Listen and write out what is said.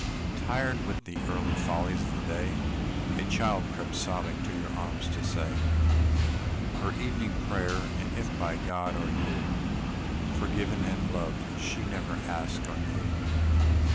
Tired with the little follies of the day, A child crept, sobbing, to your arms to say Her evening prayer; and if by God or you Forgiven and loved, she never asked or knew.